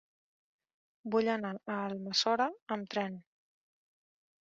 Vull anar a Almassora amb tren.